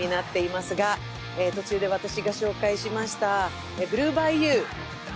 途中で私が紹介しました「ブルー・バイユー」。